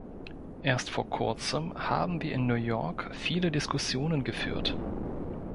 Erst vor Kurzem haben wir in New York viele Diskussionen geführt.